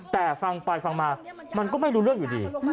แต่ฟังไปฟังมามันก็ไม่รู้เรื่องอยู่ดี